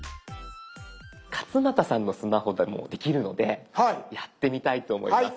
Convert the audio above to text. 勝俣さんのスマホでもできるのでやってみたいと思います。